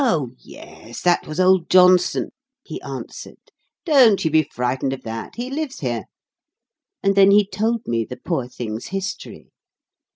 "Oh yes, that was old Johnson," he answered. "Don't you be frightened of that; he lives here." And then he told me the poor thing's history.